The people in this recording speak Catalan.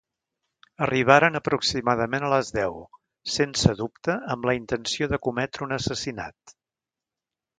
Arribaren aproximadament a les deu, sense dubte amb la intenció de cometre un assassinat.